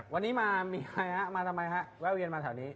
วันนี้มาทำไมครับแววเย็นมาแถวนี้